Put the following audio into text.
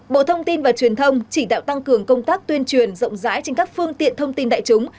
bộ thông tin và truyền thông chỉ đạo tăng cường công tác tuyên truyền rộng rãi trên các phương tiện thông tin đại chúng